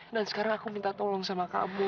dan sekarang aku minta tolong sama kamu